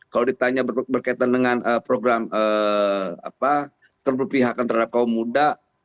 kalau ditanya berkaitan dengan program terberpihakan terhadap kaum muda